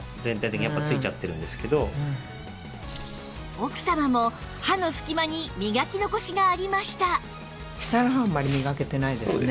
奥様も歯の隙間に磨き残しがありました